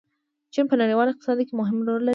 چین په نړیواله اقتصاد کې مهم رول لري.